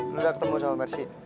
lu udah ketemu sama mercy